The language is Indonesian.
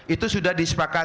itu sudah diperhatikan